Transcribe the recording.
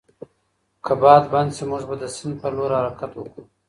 که باد بند شي، موږ به د سیند پر لور حرکت وکړو.